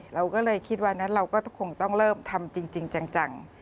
เราก็เลยคิดว่านั้นเราก็คงต้องเริ่มทำจริงจัง